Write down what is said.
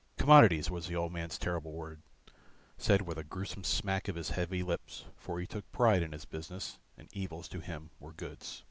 "Commodities" was the old man's terrible word, said with a gruesome smack of his heavy lips, for he took a pride in his business and evils to him were goods.